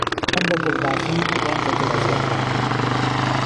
یان به گوڵباخی یان به گوڵهزهرده